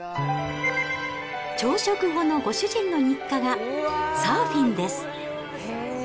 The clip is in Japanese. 朝食後のご主人の日課がサーフィンです。